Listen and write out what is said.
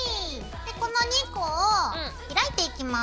この２個を開いていきます。